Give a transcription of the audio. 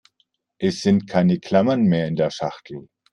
Es sind keine Klammern mehr in der Schachtel.